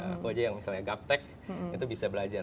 aku aja yang misalnya gap tech itu bisa belajar